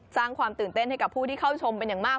สร้างความตื่นเต้นให้กับผู้ที่เข้าชมเป็นอย่างมาก